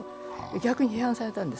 逆に批判されたんです。